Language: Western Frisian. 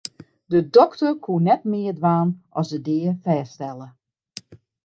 De dokter koe net mear dwaan as de dea fêststelle.